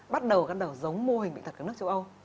bắt đầu gắn đầu giống mô hình bệnh tật ở nước châu âu